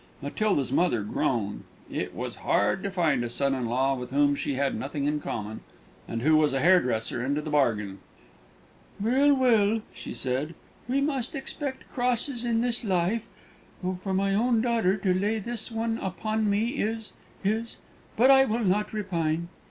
Matilda's mother groaned; it was hard to find a son in law with whom she had nothing in common, and who was a hairdresser into the bargain. "Well, well," she said, "we must expect crosses in this life; though for my own daughter to lay this one upon me is is But I will not repine."